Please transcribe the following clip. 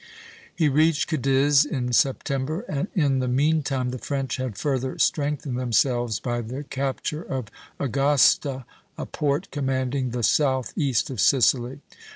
He reached Cadiz in September, and in the mean time the French had further strengthened themselves by the capture of Agosta, a port commanding the southeast of Sicily.